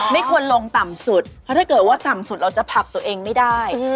ไม่ควรลงต่ำสุดเพราะถ้าเกิดว่าต่ำสุดเราจะผลับตัวเองไม่ได้